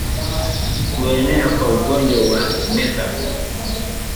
Kuenea kwa ugonjwa wa kimeta